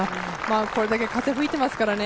これだけ風吹いてますからね